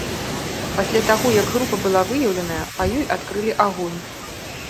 Пасля таго, як група была выяўленая, па ёй адкрылі агонь.